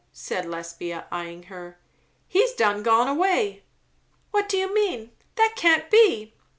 said Lesbia eyeing her. "He's done gone away." "What do you mean? That can't be."